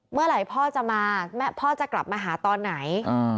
เมื่อไหร่พ่อจะมาพ่อจะกลับมาหาตอนไหน